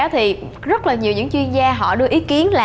thì rất là nhiều những chuyên gia họ đưa ý kiến là